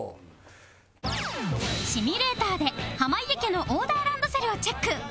シミュレーターで濱家家のオーダーランドセルをチェック